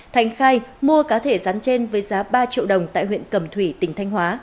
thành khai mua cá thể rắn trên với giá ba triệu đồng tại huyện cầm thủy tỉnh thanh hóa